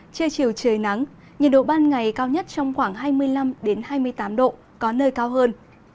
trưa chiều trời nắng nhiệt độ ban ngày cao nhất trong khoảng hai mươi năm hai mươi tám độ có nơi cao hơn